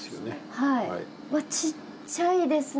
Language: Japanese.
うわっちっちゃいですね。